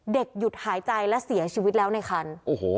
เด็กหายใจแล้วเสียชีวิตแล้วในคันโอ้โห